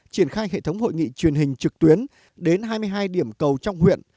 triển khai hệ thống hội nghị truyền hình trực tuyến đến hai mươi hai điểm cầu trong huyện